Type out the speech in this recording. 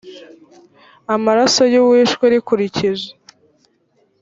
amaraso y uwishwe rikurikije